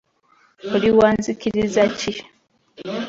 Oli wa zikiriza ki?